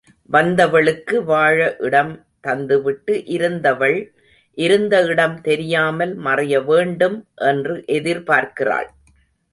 வந்தவளுக்கு வாழ இடம் தந்துவிட்டு இருந்தவள் இருந்த இடம் தெரியாமல் மறைய வேண்டும் என்று எதிர்பார்க்கிறாள்.